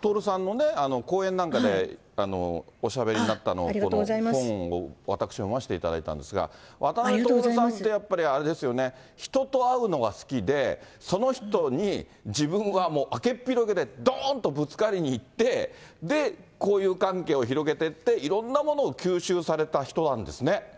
徹さんのね、公演なんかで、おしゃべりになったの、私この本を読ませていただいたんですけれども、渡辺徹さんってやっぱり、あれですよね、人と会うのが好きで、その人に自分はもう、あけっぴろげでどーんとぶつかりにいって、交友関係を広げていって、いろんなものを吸収された人なんですね。